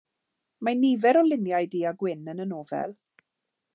Mae nifer o luniau du a gwyn yn y nofel.